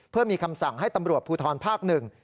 เพื่อมีคำสั่งให้ตำรวจภูทรภาคหนึ่ง